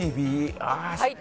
はい。